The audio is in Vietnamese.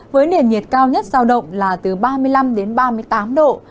với nền nhiệt cao nhất giao động là từ ba mươi năm đến ba mươi tám độ